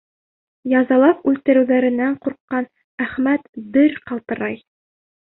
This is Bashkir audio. Язалап үлтереүҙәренән ҡурҡҡан Әхмәт дер ҡалтырай.